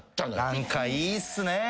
何かいいっすね。